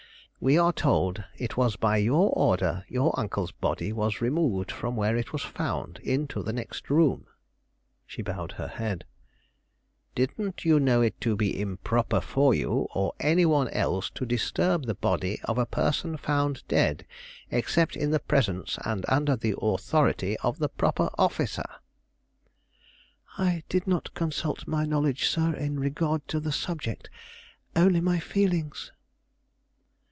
We are told it was by your order your uncle's body was removed from where it was found, into the next room." She bowed her head. "Didn't you know it to be improper for you or any one else to disturb the body of a person found dead, except in the presence and under the authority of the proper officer?" "I did not consult my knowledge, sir, in regard to the subject: only my feelings."